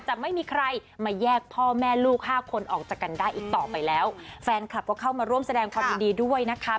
จะไม่มีใครมาแยกพ่อแม่ลูกห้าคนออกจากกันได้อีกต่อไปแล้วแฟนคลับก็เข้ามาร่วมแสดงความยินดีด้วยนะคะ